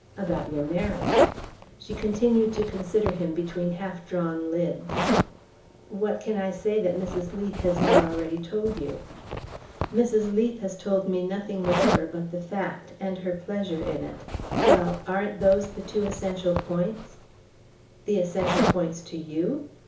"About your marriage." She continued to consider him between half drawn lids. "What can I say that Mrs. Leath has not already told you?" "Mrs. Leath has told me nothing whatever but the fact and her pleasure in it." "Well; aren't those the two essential points?" "The essential points to YOU?